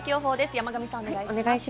山神さん、お願いします。